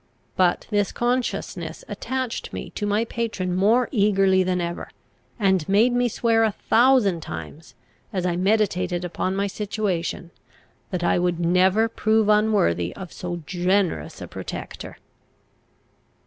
But this consciousness attached me to my patron more eagerly than ever, and made me swear a thousand times, as I meditated upon my situation, that I would never prove unworthy of so generous a protector.